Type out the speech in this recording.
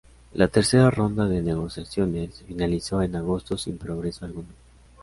La tercera ronda de negociaciones finalizó en agosto sin progreso alguno.